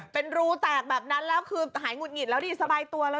เป็นรูแตกแบบนั้นแล้วคือหายหุดหงิดแล้วดิสบายตัวเลย